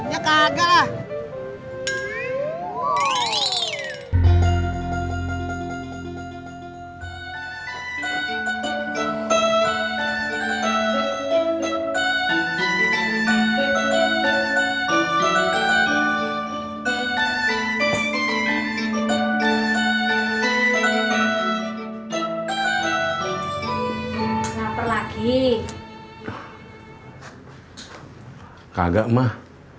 ya kagak lah